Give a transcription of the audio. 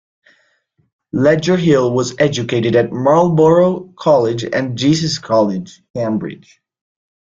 Ledger Hill was educated at Marlborough College and Jesus College, Cambridge.